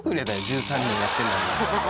１３年やってんだもん。